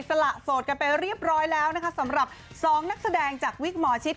สละโสดกันไปเรียบร้อยแล้วนะคะสำหรับสองนักแสดงจากวิกหมอชิด